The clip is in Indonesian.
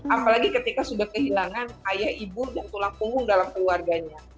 apalagi ketika sudah kehilangan ayah ibu dan tulang punggung dalam keluarganya